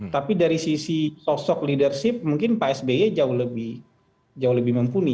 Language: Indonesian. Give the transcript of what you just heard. tapi dari sisi sosok leadership mungkin pak sby jauh lebih mumpuni